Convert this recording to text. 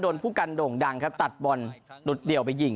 ผู้กันโด่งดังครับตัดบอลหลุดเดี่ยวไปยิง